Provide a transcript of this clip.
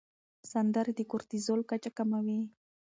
سندرې د کورتیزول کچه کموي.